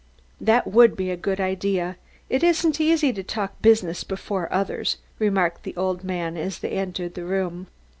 "That would be a good idea. It isn't easy to talk business before others," remarked the old man as they entered the room.